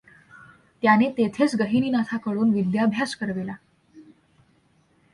त्यानें तेथेंच गहिनीनाथाकडून विद्याभ्यास करविला.